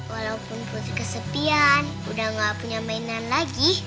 walaupun kesepian udah gak punya mainan lagi